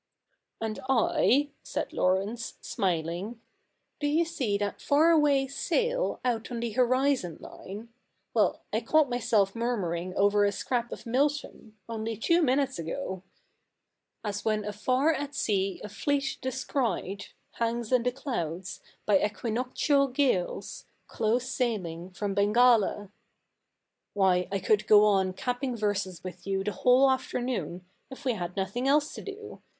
'And I —' said Laurence, smiling, — 'do you see that far away sail out on the horizon line ?— well, I caught myself murmuring over a scrap of Milton, only two minutes ago — As when afar at sea a fleet descried Hangs in the clouds, by equinoctial gales Close sailing from Bengala. Why, I could go on capping verses with you the whole afternoon, if we had nothing else to do.